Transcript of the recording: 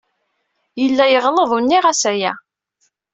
Yella yeɣleḍ u nniɣ-as aya.